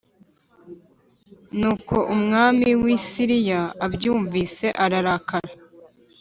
Nuko umwami w’i Siriya abyumvise ararakara